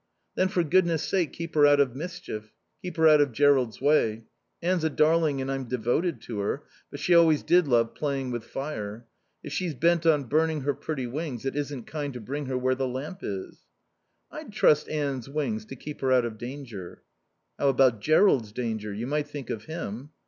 "Then for goodness sake keep her out of mischief. Keep her out of Jerrold's way. Anne's a darling and I'm devoted to her, but she always did love playing with fire. If she's bent on burning her pretty wings it isn't kind to bring her where the lamp is." "I'd trust Anne's wings to keep her out of danger." "How about Jerrold's danger? You might think of him."